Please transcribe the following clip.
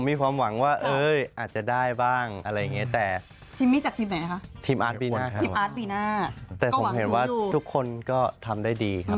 ผมมีความหวังว่าอ้ยอาจจะได้บ้างอะไรอย่างนี้